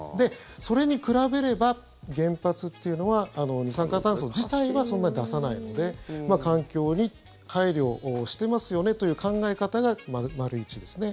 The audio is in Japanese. それに比べれば原発っていうのは二酸化炭素自体はそんなに出さないので環境に配慮してますよねという考え方が丸１ですね。